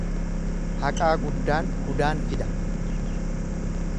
Haqaa guddaan hudaan fida.